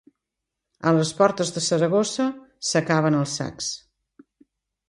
A les portes de Saragossa, s'acaben els sacs.